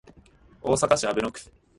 大阪市阿倍野区